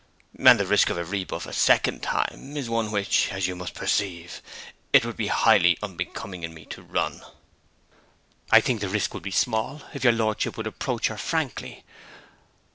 And the risk of a rebuff a second time is one which, as you must perceive, it would be highly unbecoming in me to run.' 'I think the risk would be small, if your lordship would approach her frankly.